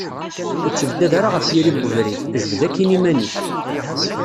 Ur ttebdad ara ɣef yiri n ubrid, jbed akin iman-ik.